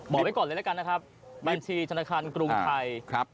บอกไว้ก่อนเลยแล้วกันนะครับบัญชีธนาคารกรุงไทยครับ